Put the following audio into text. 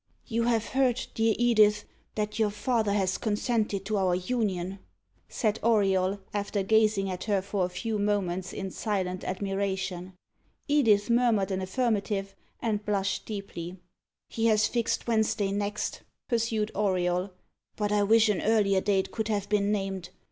"You have heard, dear Edith, that your father has consented to our union?" said Auriol, after gazing at her for a few moments in silent admiration. Edith murmured an affirmative, and blushed deeply. "He has fixed Wednesday next," pursued Auriol; "but I wish an earlier day could have been named.